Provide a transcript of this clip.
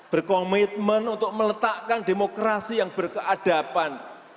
berkomitmen untuk meletakkan demokrasi yang berkeadapan